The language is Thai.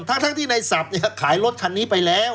ทั้งที่ในศัพท์ขายรถคันนี้ไปแล้ว